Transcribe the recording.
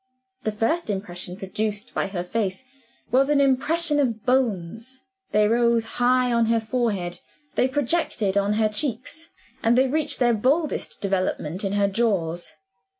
The first impression produced by her face was an impression of bones. They rose high on her forehead; they projected on her cheeks; and they reached their boldest development in her jaws.